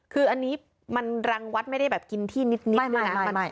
คืออันนี้มันรังวัดไม่ได้แบบกินที่นิดมาก